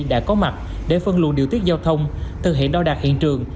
đã có mặt để phân luận điều tiết giao thông thực hiện đo đạt hiện trường